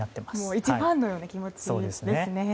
一ファンのような気持ちですね。